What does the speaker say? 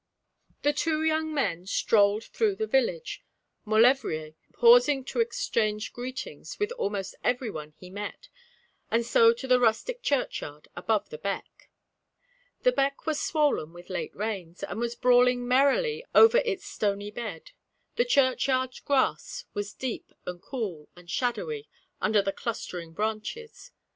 The two young men strolled through the village, Maulevrier pausing to exchange greetings with almost everyone he met, and so to the rustic churchyard, above the beck. The beck was swollen with late rains, and was brawling merrily over its stony bed; the churchyard grass was deep and cool and shadowy under the clustering branches.